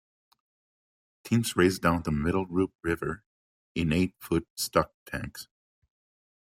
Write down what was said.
Teams race down the Middle Loup River in eight foot stock tanks.